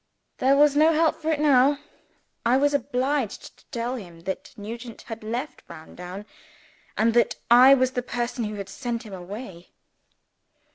There was no help for it now. I was obliged to tell him that Nugent had left Browndown, and that I was the person who had sent him away.